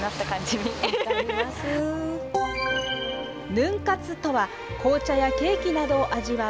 ヌン活とは、紅茶やケーキなどを味わう